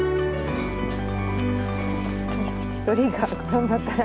１人が転んじゃったら。